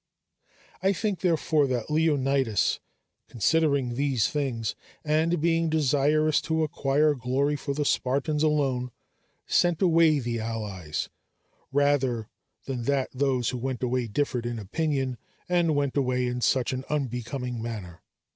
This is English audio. I think, therefore, that Leonidas, considering these things and being desirous to acquire glory for the Spartans alone, sent away the allies, rather than that those who went away differed in opinion, and went away in such an unbecoming manner.